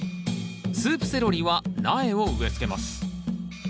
スープセロリは苗を植えつけます。